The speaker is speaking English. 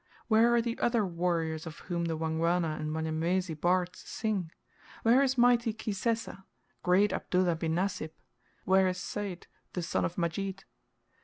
Where are the other warriors of whom the Wangwana and Wanyamwezi bards sing? Where is mighty Kisesa great Abdullah bin Nasib? Where is Sayd, the son of Majid?